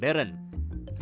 dan pilihan yang modern